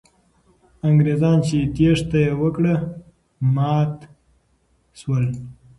انګریزان چې تېښته یې وکړه، مات سول.